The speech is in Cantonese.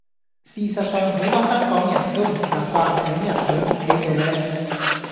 事實上好多香港人都唔習慣請人去屋企嘅